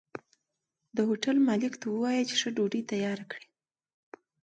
د هوټل مالک ته ووايه چې ښه ډوډۍ تياره کړي